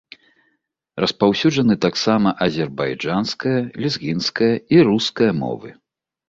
Распаўсюджаны таксама азербайджанская, лезгінская і руская мовы.